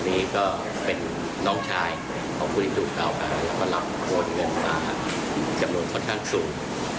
นี้ก็เป็นน้องชายของผู้ที่ถูกกล่าวหาแล้วก็รับโอนเงินมาจำนวนค่อนข้างสูง